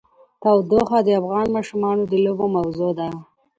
تودوخه د افغان ماشومانو د لوبو موضوع ده.